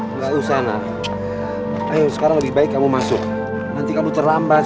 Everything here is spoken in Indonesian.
enggak usah nak ayo sekarang lebih baik kamu masuk nanti kamu terlambat